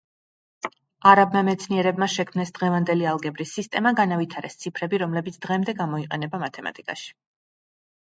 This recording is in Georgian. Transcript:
არაბმა მეცნიერებმა შექმნეს დღევანდელი ალგებრის სისტემა, განავითარეს ციფრები, რომლებიც დღემდე გამოიყენება მათემატიკაში.